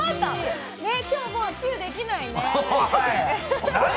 今日もうチューできないね。